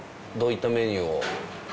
どういったメニューを？